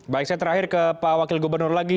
baik saya terakhir ke pak wakil gubernur lagi